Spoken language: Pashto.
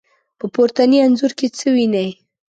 په پورتني انځور کې څه وينئ؟